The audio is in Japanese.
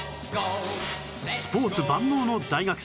スポーツ万能の大学生